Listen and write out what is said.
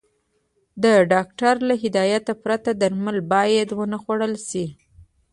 د ډاکټر له هدايت پرته درمل بايد ونخوړل شي.